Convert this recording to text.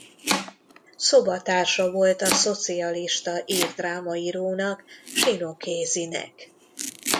Szobatársa volt a szocialista ír drámaírónak Seán O’Caseynek.